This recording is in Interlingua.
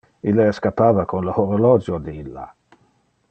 Ille escappava con le horologio de illa.